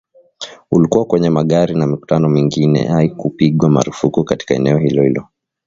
ulikuwa kwenye magari na mikutano mingine haikupigwa marufuku katika eneo hilo-hilo